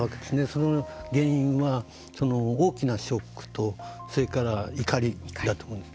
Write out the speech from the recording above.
その原因は大きなショックとそれから怒りだと思うんです。